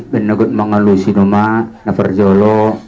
benegut mangalusi numa naperjolo